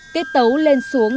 tiết tấu lên xuống